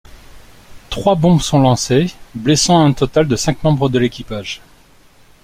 Trois bombes sont lancées blessant un total de cinq membres de l'équipage.